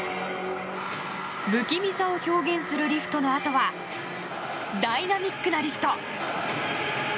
不気味さを表現するリフトのあとはダイナミックなリフト。